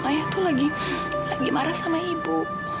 ayah tuh lagi marah sama ibu